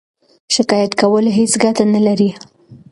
شکایت کول هیڅ ګټه نلري.